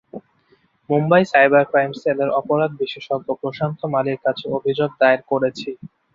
Mumbai cyber crime সেলের অপরাধ-বিশেষজ্ঞ প্রশান্ত মালির কাছে অভিযোগ দায়ের করেছি।